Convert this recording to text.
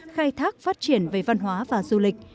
khai thác phát triển về văn hóa và du lịch